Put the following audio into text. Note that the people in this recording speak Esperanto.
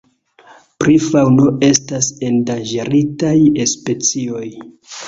Pri faŭno estas endanĝeritaj specioj.